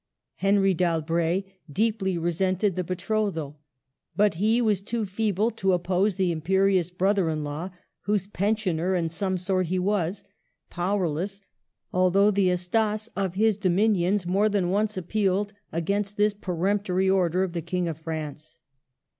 Henry d'Albret deeply resented the betrothal. But he was too feeble to oppose the imperious brother in law, whose pensioner in some sort he was; powerless, although the Estas of his dominions more than once appealed against this peremp tory order of the King of France.